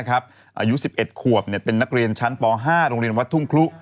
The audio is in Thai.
อายุ๑๑ขวบเป็นนักเรียนชั้นป๕โรงเรียนวัดทุ่งครุ